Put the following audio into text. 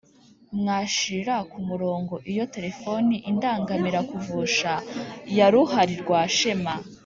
Mwashirira ku murongo iyo telefoniIndangamira kuvusha ya Ruhalirwashema,